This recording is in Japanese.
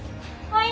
はい！